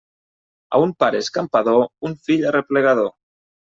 A un pare escampador, un fill arreplegador.